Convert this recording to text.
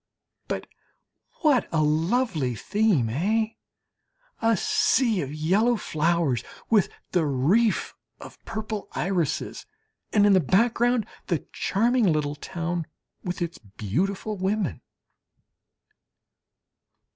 But what a lovely theme eh? A sea of yellow flowers with the reef of purple irises, and in the background the charming little town with its beautiful women!